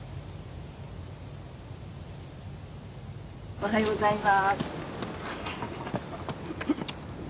おはようございます。